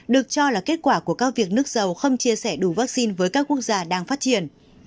được cho là kết quả của các việc nước dầu không chia sẻ đủ vaccine với các quốc gia đang phát triển